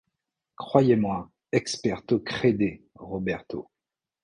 Croyez-moi… experto crede Roberto.